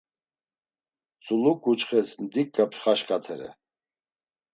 Tzuluǩuçxes mdiǩa pxaşǩatere.